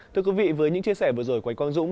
thưa quý vị với những chia sẻ vừa rồi của anh quang dũng